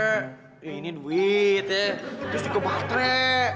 ya ini duit ya terus dikebatre